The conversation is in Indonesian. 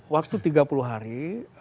waktu tiga puluh hari